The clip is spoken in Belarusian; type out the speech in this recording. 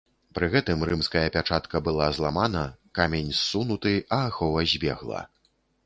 Пры гэтым рымская пячатка была зламана, камень ссунуты, а ахова збегла.